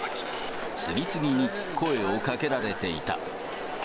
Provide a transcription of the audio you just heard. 次々に声をかけられていた。